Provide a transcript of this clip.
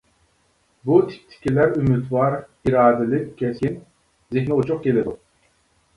بۇ تىپتىكىلەر ئۈمىدۋار، ئىرادىلىك كەسكىن، زېھنى ئوچۇق كېلىدۇ.